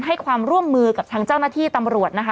ให้ความร่วมมือกับทางเจ้าหน้าที่ตำรวจนะคะ